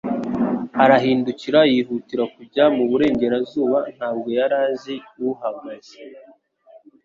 Arahindukira; yihutira kujya mu Burengerazuba; ntabwo yari azi uhagaze